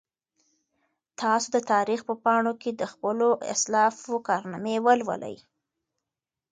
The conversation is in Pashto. تاسو د تاریخ په پاڼو کې د خپلو اسلافو کارنامې ولولئ.